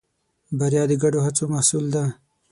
بریا د ګډو هڅو محصول ده.